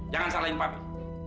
jangan salahkan papi